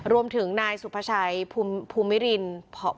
รวมถึงนายสุพชัยมมิริณหลวงเรียนปฐมศึกษาวัดลัดประดุกนะคะ